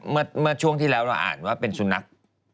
เมื่อช่วงที่แล้วเราอ่านว่าเป็นสุนัข